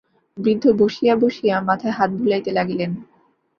বৃদ্ধ বসিয়া বসিয়া মাথায় হাত বুলাইতে লাগিলেন।